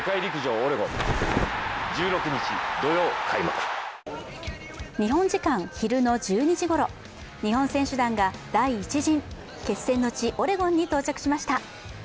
日本時間、昼の１２時ごろ、日本選手団の第１陣、決戦の地オレゴンに到着しました。